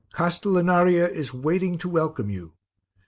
Castellinaria is waiting to welcome you.